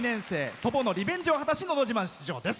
祖母のリベンジを果たし「のど自慢」に出場です。